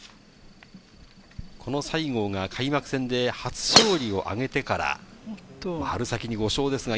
この西郷が開幕戦で初勝利を挙げてから、春先に５勝ですが。